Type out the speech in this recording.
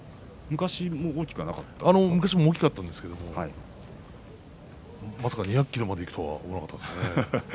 昔も大きかったですがまさか、２００ｋｇまでいくと思わなかったです。